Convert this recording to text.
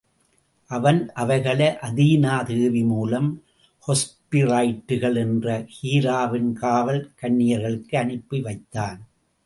அவன் அவைகளை அதீனா தேவி மூலம் ஹெஸ்பிரைடுகள் என்ற ஹீராவின் காவல் கன்னியர்களுக்கு அனுப்பி வைத்தான்.